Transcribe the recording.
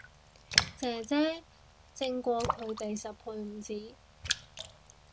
姐姐正過佢哋十倍唔止